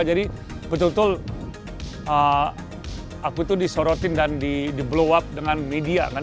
jadi betul betul aku tuh disorotin dan di blow up dengan media kan